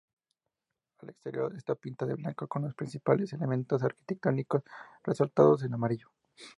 Al exterior está pinta de blanco con los principales elementos arquitectónicos resaltados en amarillo.